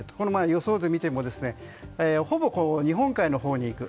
予想図を見てもほぼ日本海のほうに行く。